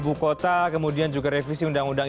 ibu kota kemudian juga revisi undang undang